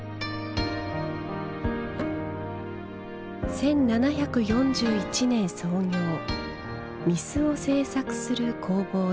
１７４１年創業御簾を制作する工房です。